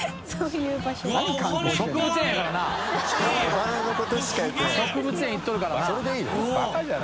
植物園行ってるからな。